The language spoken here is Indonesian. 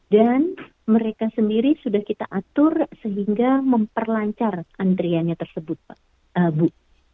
dan mereka sendiri sudah kita atur sehingga memperlancar antriannya tersebut bu